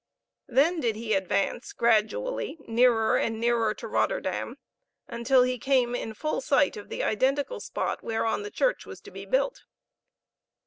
Then did he advance gradually nearer and nearer to Rotterdam, until he came in full sight of the identical spot whereon the church was to be built.